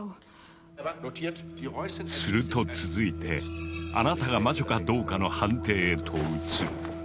すると続いてあなたが魔女かどうかの判定へと移る。